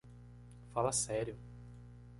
Fala sério!